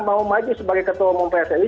mau maju sebagai ketua umum pssi